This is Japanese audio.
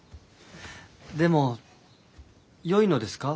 でもよいのですか？